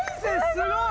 すごい！